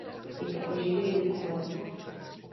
Jde o živý dokument.